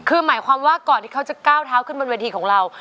คือหมายความว่าก่อนที่เขาจะก้าวเท้าขึ้นบนเวทีของเรา